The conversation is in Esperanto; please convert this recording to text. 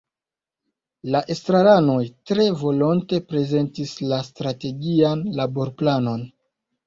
La estraranoj tre volonte prezentis la Strategian Laborplanon.